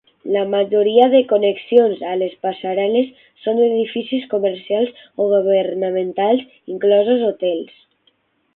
La majoria de connexions a les passarel·les són edificis comercials o governamentals, inclosos hotels.